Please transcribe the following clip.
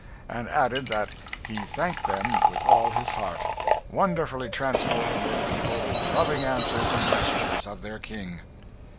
and added that "he thanked them with all his heart." Wonderfully transported were the people with the loving answers and gestures of their King.